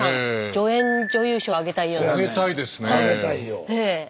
助演女優賞あげたいような。